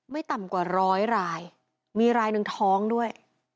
ไม่ต่ำกว่าร้อยรายมีรายหนึ่งท้องด้วย